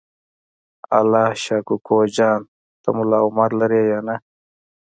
الله شا کوکو جان ته ملا عمر لرې یا نه؟